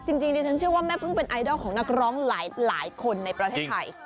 จริงดิฉันเชื่อว่าแม่พึ่งเป็นไอดอลของนักร้องหลายคนในประเทศไทย